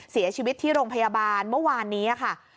เสียชีวิตที่โรงพยาบาลเมื่อวานนี้ค่ะ